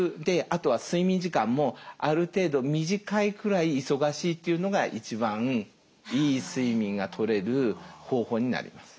あとは睡眠時間もある程度短いくらい忙しいっていうのが一番いい睡眠がとれる方法になります。